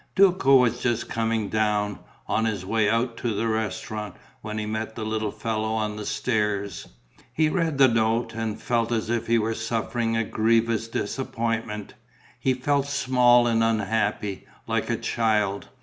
Duco was just coming down, on his way out to the restaurant, when he met the little fellow on the stairs. He read the note and felt as if he was suffering a grievous disappointment. He felt small and unhappy, like a child.